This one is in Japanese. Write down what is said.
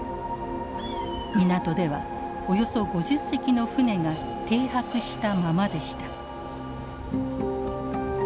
港ではおよそ５０隻の船が停泊したままでした。